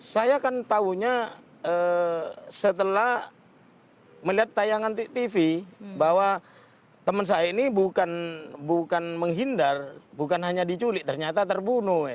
saya kan tahunya setelah melihat tayangan tv bahwa teman saya ini bukan menghindar bukan hanya diculik ternyata terbunuh